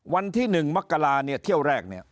วันที่๑มกราเนี่ยเที่ยวแรกเนี่ย